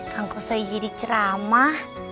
kang kusoy jadi ceramah